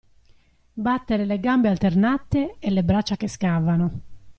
Battere le gambe alternate e le braccia che scavano.